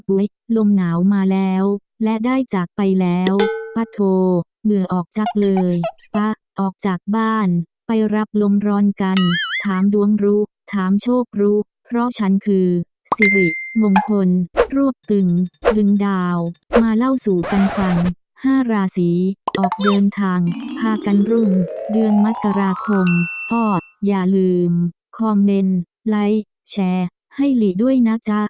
ลมหนาวมาแล้วและได้จากไปแล้วป้าโทเหงื่อออกจากเลยป้าออกจากบ้านไปรับลมร้อนกันถามดวงรู้ถามโชครู้เพราะฉันคือสิริมงคลรวบตึงดึงดาวมาเล่าสู่กันฟัง๕ราศีออกเดินทางพากันรุ่งเดือนมกราคมพ่ออย่าลืมคอมเมนต์ไลค์แชร์ให้หลีด้วยนะจ๊ะ